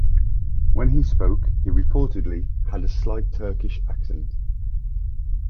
When he spoke, he reportedly had a slight Turkish accent.